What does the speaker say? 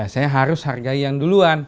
saya harus hargai yang duluan